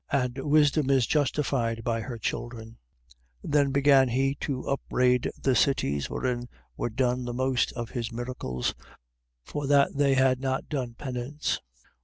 And wisdom is justified by her children. 11:20. Then began he to upbraid the cities wherein were done the most of his miracles, for that they had not done penance.